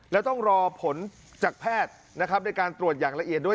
แล้วต้องรอผลจากแพทย์นะครับในการตรวจอย่างละเอียดด้วย